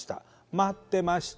待ってました。